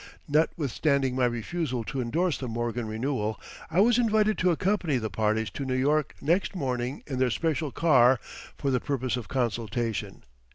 Notwithstanding my refusal to endorse the Morgan renewal, I was invited to accompany the parties to New York next morning in their special car for the purpose of consultation.